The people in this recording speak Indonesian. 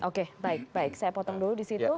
oke baik baik saya potong dulu disitu